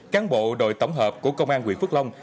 cáng bộ đội tổng hợp của công an quyền phước long